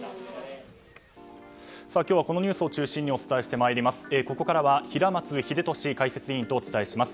今日はこのニュースを中心にお伝えしてまいります。